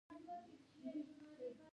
زه له غوسې څخه ځان ساتم.